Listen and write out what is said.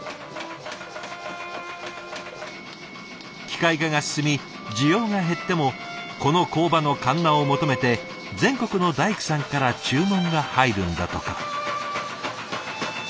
機械化が進み需要が減ってもこの工場のかんなを求めて全国の大工さんから注文が入るんだとか。